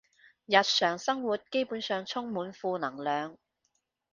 日常生活基本上充滿負能量